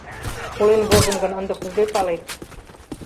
— Колен возын гын, ынде кузе палет?